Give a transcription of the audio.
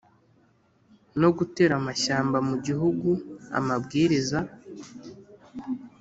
No gutera amashyamba mu gihugu amabwiriza